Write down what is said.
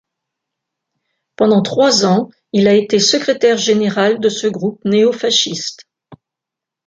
Pendant trois ans, il a été secrétaire général de ce groupe néofasciste.